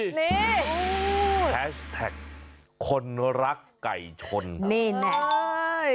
นี่โอ้โหแฮชแท็กคนรักไก่ชนนี่แหละ